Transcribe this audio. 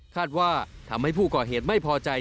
คาดว่าทำให้ผู้ก่อเหตุไม่พอใจ